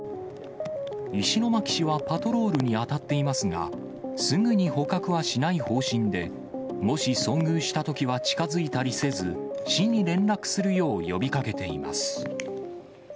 石巻市はパトロールに当たっていますが、すぐに捕獲はしない方針で、もし遭遇したときは、近づいたりせず、市に連絡するよう呼びかけています。